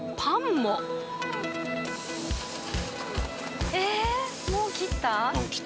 もう切った？